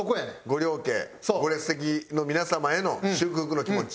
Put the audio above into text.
ご両家ご列席の皆様への祝福の気持ち。